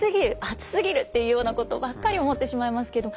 「暑すぎる」っていうようなことばっかり思ってしまいますけど。